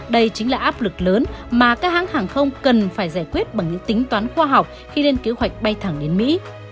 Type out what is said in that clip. đây chính là áp lực lớn mà các hãng hàng không cần phải giải quyết bằng những tính toán khoa học khi lên kế hoạch bay thẳng đến mỹ